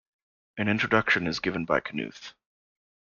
An introduction is given by Knuth.